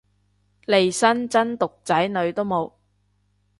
利申真毒仔女都冇